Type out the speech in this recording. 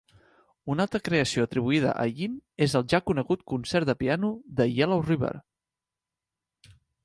Una altra creació atribuïda a Yin és el ja conegut concert de piano de Yellow River.